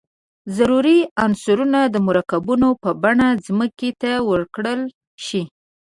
ضروري عنصرونه د مرکبونو په بڼه ځمکې ته ورکول شي.